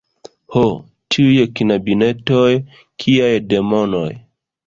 Ho! tiuj knabinetoj! Kiaj demonoj!